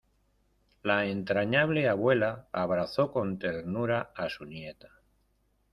La entrañable abuela abrazó con ternura a su nieta.